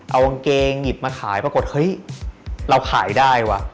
เอากางเกงหยิบมาขายปรากฏเฮ้ยเราขายได้วะ